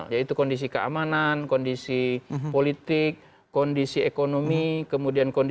jadi itu hal kedua